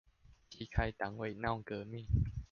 踢開黨委鬧革命